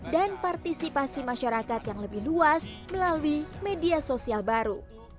dan partisipasi masyarakat yang lebih luas melalui media sosial baru